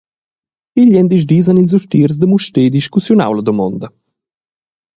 Il gliendisdis han ils ustiers da Mustér discussiunau la damonda.